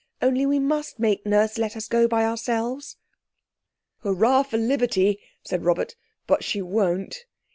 Only we must make Nurse let us go by ourselves." "Hurrah for liberty!" said Robert, "but she won't."